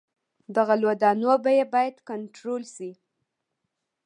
د غلو دانو بیه باید کنټرول شي.